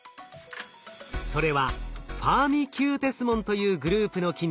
それはファーミキューテス門というグループの菌です。